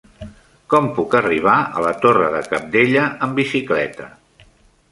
Com puc arribar a la Torre de Cabdella amb bicicleta?